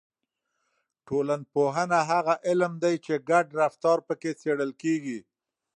ټولنپوهنه هغه علم دی چې ګډ رفتار پکې څېړل کیږي.